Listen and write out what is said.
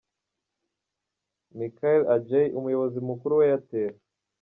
Michael Adjei, umuyobozi mukuru wa Airtel.